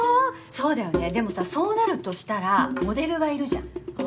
そうだよねでもさそうなるとしたらモデルがいるじゃん。